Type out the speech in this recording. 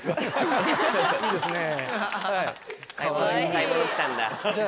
買い物来たんだ。